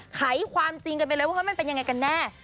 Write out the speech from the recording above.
ไขความจริงกันไปเลยว่ามันเป็นยังไงกันแน่